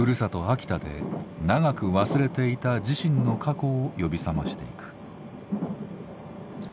秋田で長く忘れていた自身の過去を呼び覚ましていく。